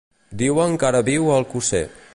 Diuen que ara viu a Alcosser.